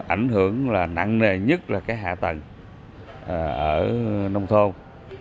ảnh hưởng nặng nề nhất là hạ tầng ở nông thôn